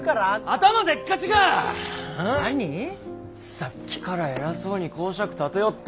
さっきから偉そうに講釈立てよって。